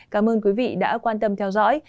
cảm ơn quý vị đã quan tâm theo dõi